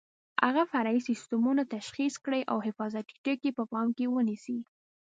هغه فرعي سیسټمونه تشخیص کړئ او حفاظتي ټکي په پام کې ونیسئ.